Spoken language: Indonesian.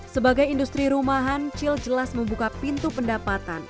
sebagai industri rumahan cil jelas membuka pintu pendapatan